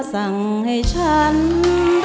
โครงเวลา๑๕๐๐๐บาท